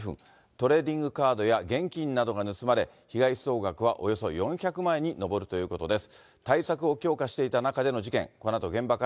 トレーディングカードや現金などが盗まれ、被害総額はおよそ４００万円に上るということです。